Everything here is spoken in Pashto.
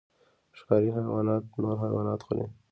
ښکاري حیوانات نور حیوانات خوري